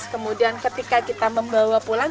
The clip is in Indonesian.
kemudian ketika kita membawa pulang